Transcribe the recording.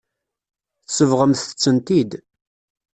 Tsebɣemt-tent-id.